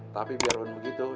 tapi biar begitu